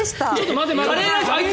待て待て！